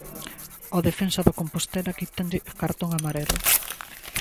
Ao defensa do Compostela quítanlle cartón amarelo.